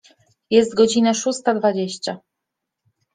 Jest godzina szósta dwadzieścia.